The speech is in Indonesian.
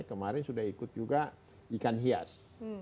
kemarin sudah ikut juga ikan hias